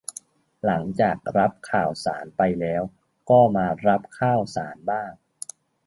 หลังจากรับข่าวสารไปแล้ว ก็มารับข้าวสารบ้าง